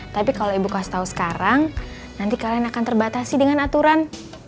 tapi kalau ibu kasih tahu sekarang nanti kalian akan terbatasi dengan aturan